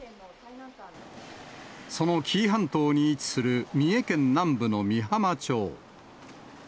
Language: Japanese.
その紀伊半島に位置する三重県南部の御浜町。